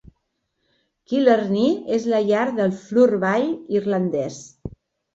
Killarney és la llar del "floorball" irlandès .